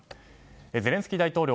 ゼレンスキー大統領